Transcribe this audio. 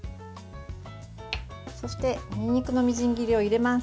そしてにんにくのみじん切りを入れます。